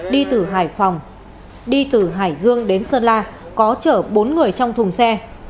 đi từ hải phòng đi từ hải dương đến sơn la có chở bốn người trong thùng xe